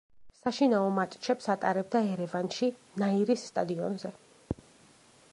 საშინაო მატჩებს ატარებდა ერევანში, ნაირის სტადიონზე.